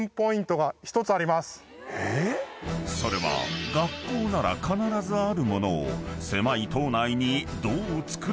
［それは学校なら必ずある物を狭い島内にどう造ったのか？］